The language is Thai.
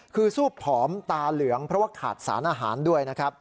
คือสู้ผอมตาเหลืองเพราะว่าขาดสารอาหารด้วยนะครับ